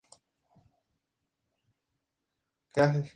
Seva se ubica en la costa oriental de Puerto Rico.